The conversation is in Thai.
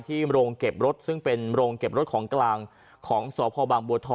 โรงเก็บรถซึ่งเป็นโรงเก็บรถของกลางของสพบางบัวทอง